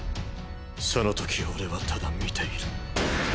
その時俺はただ見ている。